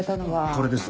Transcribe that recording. これです。